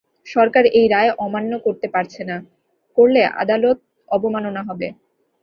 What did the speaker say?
সরকার এই রায় অমান্য করতে পারছে না, করলে আদালত অবমাননা হবে।